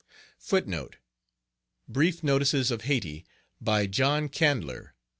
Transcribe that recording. "Brief Notices of Hayti," by John Candler.